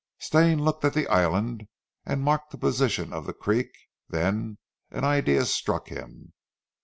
Stane looked at the island and marked the position of the creek, then an idea struck him.